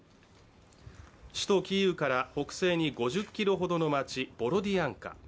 首都キーウから北西に５０ｋｍほどの街、ボロディアンカ。